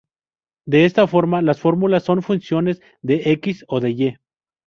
De esta forma las fórmulas son funciones de "x" o de "y".